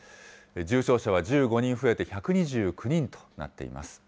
重症者は１５人増えて１２９人となっています。